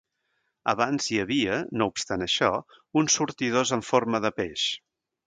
Abans hi havia, no obstant això, uns sortidors en forma de peix.